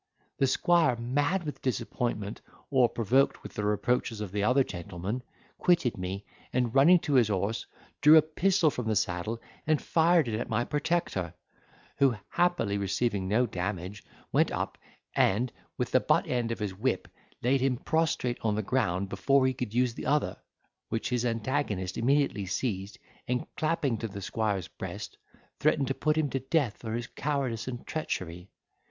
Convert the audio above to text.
The squire, mad with disappointment, or provoked with the reproaches of the other gentleman, quitted me, and running to his horse, drew a pistol from the saddle, and fired it at my protector, who happily receiving no damage, went up, and, with the butt end of his whip laid him prostrate on the ground before he could use the other, which his antagonist immediately seized, and, clapping to the squire's breast, threatened to put him to death for his cowardice and treachery.